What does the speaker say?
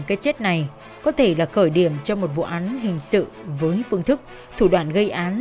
cái chết này có thể là khởi điểm cho một vụ án hình sự với phương thức thủ đoạn gây án